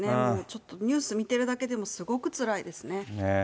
ちょっとニュース見てるだけでも、すごくつらいですね。